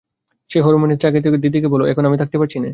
সে হরিমোহিনীর দিকে চাহিয়া কহিল, দিদিকে বোলো, এখন আমি থাকতে পারছি নে।